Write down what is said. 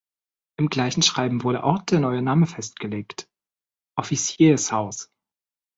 Im gleichen Schreiben wurde auch der neue Name festgelegt: „Officiers-Haus“.